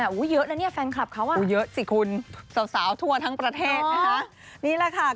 โอ้โฮเยอะนะนี่แฟนคลับเขา